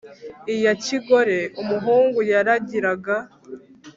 iya kigore. Umuhungu yaragiraga